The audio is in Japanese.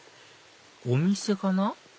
お店かな？